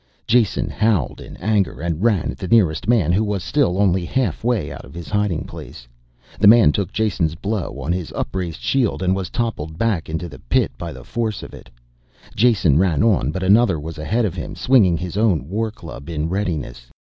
Jason howled in anger and ran at the nearest man who was still only halfway out of his hiding place. The man took Jason's blow on his upraised shield and was toppled back into the pit by the force of it. Jason ran on but another was ahead of him, swinging his own war club in readiness.